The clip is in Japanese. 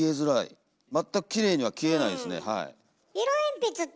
全くきれいには消えないですねはい。